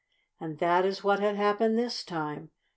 And that is what had happened this time.